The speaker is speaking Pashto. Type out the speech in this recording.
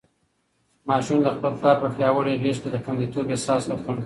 ماشوم د خپل پلار په پیاوړې غېږ کې د خونديتوب احساس وکړ.